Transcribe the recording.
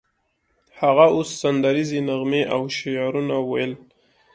هغه اوس سندریزې نغمې او شعرونه ویل